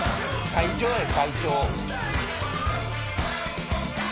会長や会長！